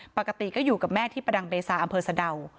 ปกติก็อยู่กับแม่ที่ประดังเบซาอำเภอสะดาว